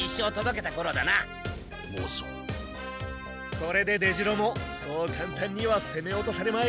これで出城もそう簡単にはせめ落とされまい。